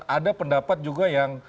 ada pendapat juga yang